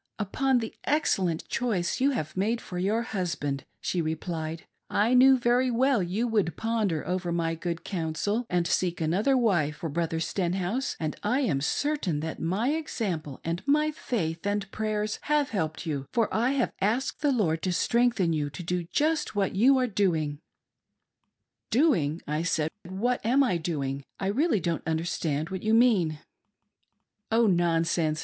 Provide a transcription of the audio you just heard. " Upon the excellent choice you have made for your hus band," she replied ;" I knew very well you would ponder over my good counsel and seek another wife for Brother Stenhouse, and I am certain that my example and my faith and prayers have helped you, for I have asked the Lord to strengthen you to do just what you are doing." "Doing!" I said, "What am I doing? I really don't understand what you mean." " Oh nonsense